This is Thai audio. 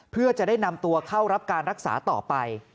เพื่อจะได้นำตัวเข้ารับการรักษาต่อไป